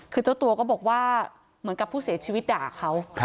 คือเจ้าตัวก็บอกว่าเหมือนกับผู้เสียชีวิตด่าเขา